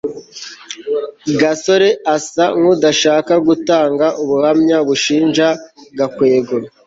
gasore asa nkudashaka gutanga ubuhamya bushinja gakwego